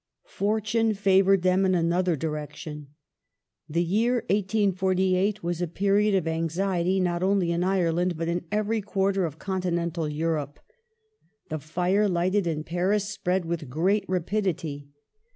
The Fortune favoured them in another direction. The year 1848 Fi^co^*^ was a period of anxiety not only in Ireland but in every quarter of continental Europe. The fire lighted in Paris spread with great rapidity.